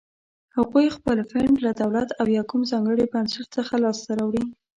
هغوی خپل فنډ له دولت او یا کوم ځانګړي بنسټ څخه لاس ته راوړي.